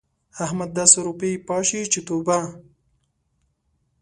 احمد داسې روپۍ پاشي چې توبه!